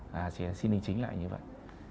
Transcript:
và sẽ xin đính chính lại như vậy